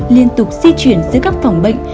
liên tục di chuyển giữa các phòng bệnh